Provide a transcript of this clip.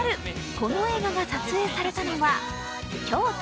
この映画が撮影されたのは京都。